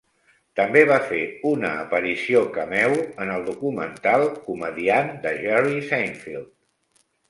També va fer una aparició cameo en el documental "Comediant" de Jerry Seinfeld.